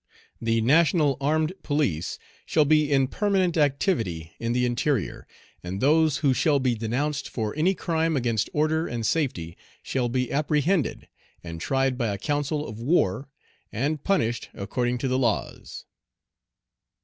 The national armed police shall be in permanent activity in the interior, and those who shall be denounced for any crime against order and safety shall be apprehended and tried by a council of war, and punished according to the laws."